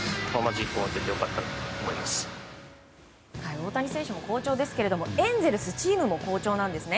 大谷選手も好調ですけどエンゼルスチームも好調なんですね。